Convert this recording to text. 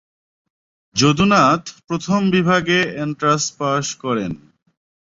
যদুনাথ প্রথম বিভাগে এন্ট্রান্স পাশ করেন।